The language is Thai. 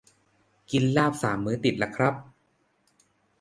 กินลาบสามมื้อติดละครับ